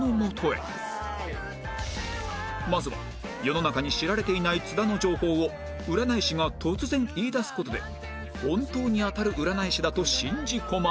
まずは世の中に知られていない津田の情報を占い師が突然言い出す事で本当に当たる占い師だと信じ込ませる